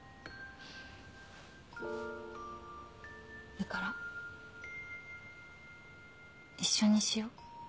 だから一緒にしよう。